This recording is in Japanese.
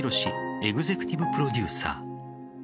エグゼクティブ・プロデューサー。